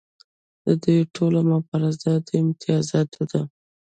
د دوی ټوله مبارزه د امتیازاتو ده.